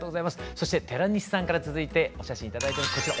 そして寺西さんから続いてお写真頂いてます。